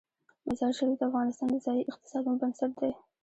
مزارشریف د افغانستان د ځایي اقتصادونو بنسټ دی.